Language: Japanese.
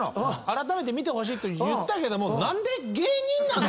あらためて見てほしいと言ったけども。